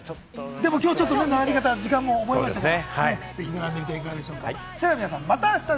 でも並び方、時間覚えましただから。